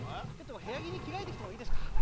ちょっと部屋着に着替えてきてもいいですか？